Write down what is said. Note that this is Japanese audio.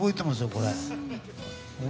これ。